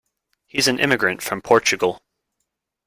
He's an immigrant from Portugal.